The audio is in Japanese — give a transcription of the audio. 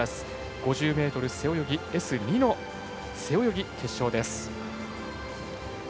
５０ｍ背泳ぎＳ２の背泳ぎ決勝です。